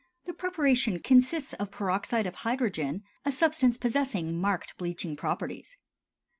The preparation consists of peroxide of hydrogen, a substance possessing marked bleaching properties.